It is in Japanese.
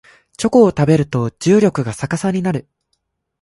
チョコを食べると重力が逆さになる